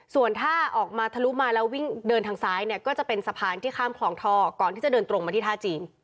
ส่วนถ้าออกมาทะลุมาแล้ววิ่งเดินทางซ้ายเนี่ยก็จะเป็นสะพานที่ข้ามคลองท่อก่อนที่จะเดินตรงมาที่ท่าจีน